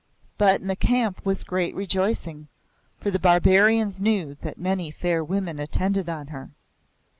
But in the camp was great rejoicing, for the Barbarians knew that many fair women attended on her.